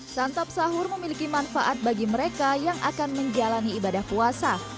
santap sahur memiliki manfaat bagi mereka yang akan menjalani ibadah puasa